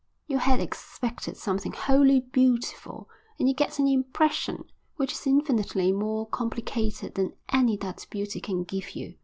You had expected something wholly beautiful and you get an impression which is infinitely more complicated than any that beauty can give you.